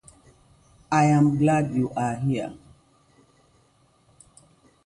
I'm glad you're here.